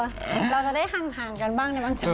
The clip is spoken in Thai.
เราจะได้ห่างกันบ้างในบางจุด